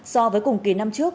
so với cùng kỳ năm trước